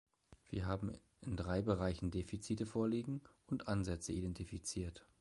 Wir haben in drei Bereichen Defizite vorliegen und Ansätze identifiziert.